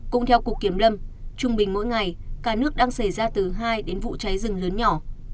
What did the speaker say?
cũng theo cục kiểm lâm trung bình mỗi ngày cả nước đang xảy ra từ hai đến vụ cháy rừng lớn nhỏ